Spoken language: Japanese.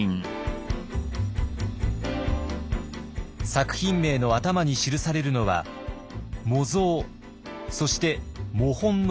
作品名の頭に記されるのは「模造」そして「摸本」の文字。